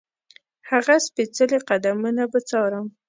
هغه سپېڅلي قدمونه به څارم.